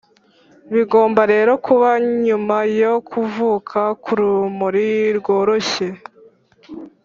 bigomba rero kuba nyuma yo kuvuka k'urumuri rworoshye